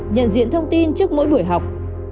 nhận diện thông tin trước mỗi buổi học